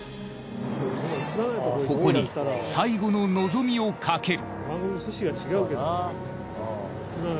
ここに最後の望みをかける。